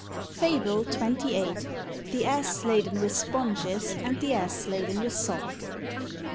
FABLE XXVIII. THE ASS LADEN WITH SPONGES, AND THE ASS LADEN WITH SALT.